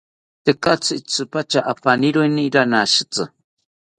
Tekatzi itzipatya apaniroeni ranashita